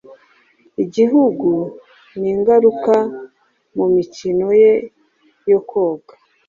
Igihugu ningaruka mumikino ye yo koga-